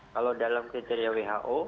kalau dalam kriteria who